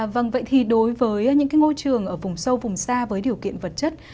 vâng vậy thì đối với những ngôi trường ở vùng sâu vùng xa với điều kiện vật chất